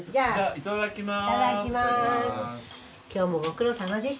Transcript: いただきます。